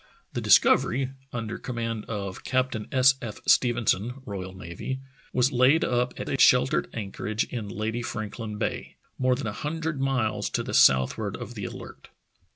The Discovery, under command of Captain S. F. Stephenson, R.N., was laid up at a shel tered anchorage in Lady Franklin Bay, more than a hundred miles to the southward of the Alert.